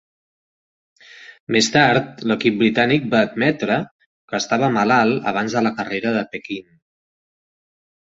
Més tard, l'equip britànic va admetre que estava malalt abans de la carrera de Pequín.